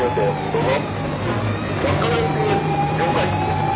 どうぞ」